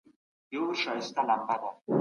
تاريخ يوازې د تېرو پېښو بيان نه دی.